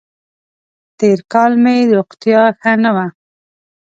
تېر کال مې روغتیا ښه نه وه.